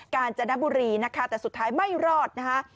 การจนบุรีนะคะแต่สุดท้ายไม่รอดนะคะ